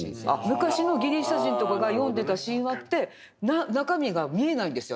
昔のギリシャ人とかが読んでた神話って中身が見えないんですよ